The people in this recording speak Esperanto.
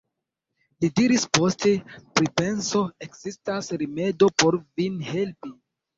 li diris post pripenso: ekzistas rimedo por vin helpi.